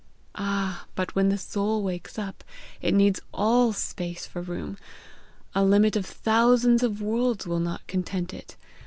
"Ah, but when the soul wakes up, it needs all space for room! A limit of thousands of worlds will not content it.